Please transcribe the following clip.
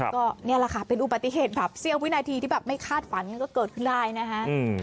ก็นี่แหละค่ะเป็นอุบัติเหตุแบบเสี้ยววินาทีที่แบบไม่คาดฝันก็เกิดขึ้นได้นะฮะ